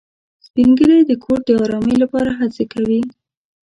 سپین ږیری د کور د ارامۍ لپاره هڅې کوي